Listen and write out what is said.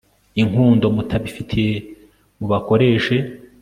inkundo mutabafitiye mubakoreshe